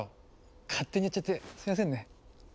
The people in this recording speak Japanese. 勝手にやっちゃってすみませんね。